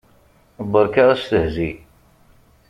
Berka astehzi!